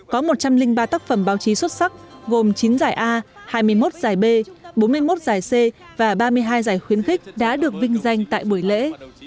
có một trăm linh ba tác phẩm báo chí xuất sắc gồm chín giải a hai mươi một giải b bốn mươi một giải c và ba mươi hai giải khuyến khích đã được vinh danh tại buổi lễ